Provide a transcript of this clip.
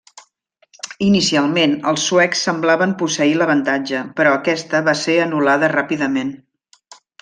Inicialment els suecs semblaven posseir l'avantatge, però aquesta va ser anul·lada ràpidament.